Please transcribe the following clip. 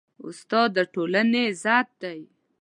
استاد د ټولنې عزت دی.